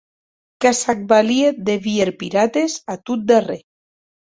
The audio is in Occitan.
Que s'ac valie de vier pirates, a tot darrèr.